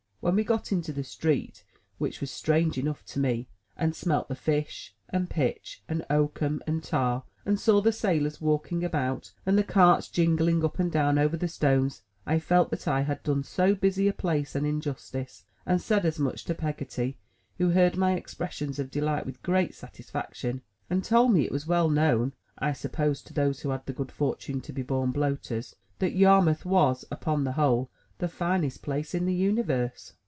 When we got into the street (which was strange enough to me) and smelt the fish, and pitch, and oakum, and tar, and saw ICX) THE TREASURE CHEST the sailors walking about, and the carts jingling up and down over the stones, I felt that I had done so busy a place an injustice, and said as much to Peggotty, who heard my expressions of delight with great satisfaction, and told me it was well known (I suppose to those who had the good fortune to be bom Bloaters) that Yar mouth was, upon the whole, the finest place in the universe.